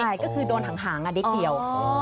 ใช่ก็คือโดนหางนิดเดียว